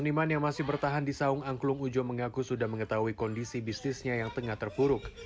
pemilik saung angklung ujo masih bertahan di saung angklung ujo mengaku sudah mengetahui kondisi bisnisnya yang tengah terpuruk